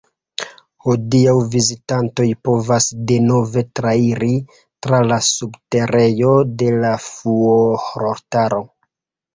Hodiaŭ vizitantoj povas denove trairi tra la subterejo de la fuortaro.